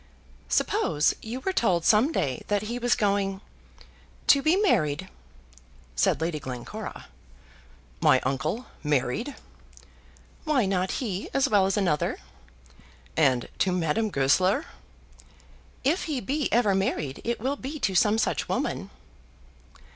"Suppose you were told some day that he was going to be married?" said Lady Glencora. "My uncle married!" "Why not he as well as another?" "And to Madame Goesler?" "If he be ever married it will be to some such woman."